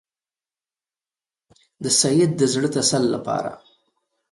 د سید د زړه تسل لپاره.